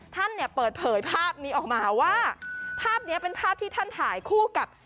ท่านเนี่ยเปิดเผยภาพนี้ออกมาว่าภาพนี้เป็นภาพที่ท่านถ่ายคู่กับ